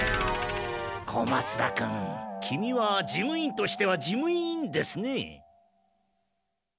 小松田君キミは事務員としては地味ですね。